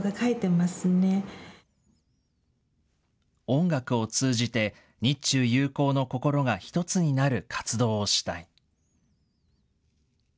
音楽を通じて、日中友好の心が一つになる活動をしたい。